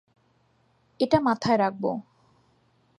এটা মাথায় রাখব।